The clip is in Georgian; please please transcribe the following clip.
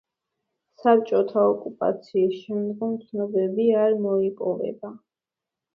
საბჭოთა ოკუპაციის შემდგომ ცნობები არ მოიპოვება.